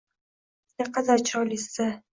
— Naqadar chiroylisiz-a!